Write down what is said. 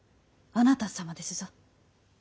あなた様ですぞ。